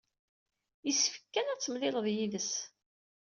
Yessefk kan ad temlileḍ yid-s.